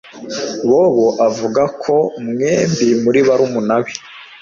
Bobo avuga ko mwembi muri barumuna be